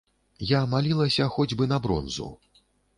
Я малілася хоць бы на бронзу.